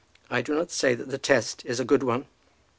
I do not say that the test is a good one."